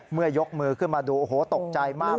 ยกมือขึ้นมาดูโอ้โหตกใจมาก